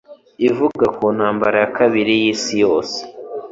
ivuga ku Ntambara ya Kabiri y'Isi Yose